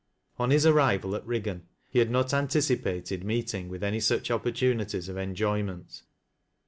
On his arrival at Eiiggan, he had not anticipated meeting with any such opportunities of enjoyment.